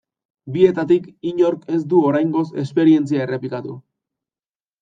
Bietatik inork ez du oraingoz esperientzia errepikatu.